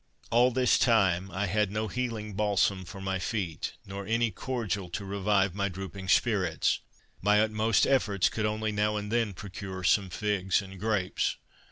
All this time I had no healing balsam for my feet, nor any cordial to revive my drooping spirits. My utmost efforts could only now and then procure some figs and grapes.